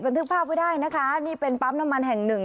ทึกภาพไว้ได้นะคะนี่เป็นปั๊มน้ำมันแห่งหนึ่ง